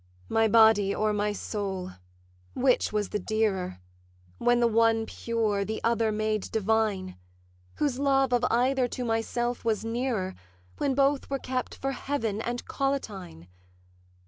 'My body or my soul, which was the dearer, When the one pure, the other made divine? Whose love of either to myself was nearer, When both were kept for heaven and Collatine?